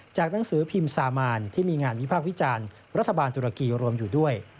หนังสือพิมพ์ซามานที่มีงานวิพากษ์วิจารณ์รัฐบาลตุรกีรวมอยู่ด้วย